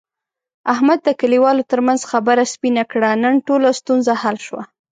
احمد د کلیوالو ترمنځ خبره سپینه کړه. نن ټوله ستونزه حل شوه.